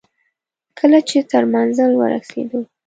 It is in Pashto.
کله چې تر منزل ورسېدو.